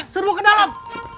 tiga seru ke dalam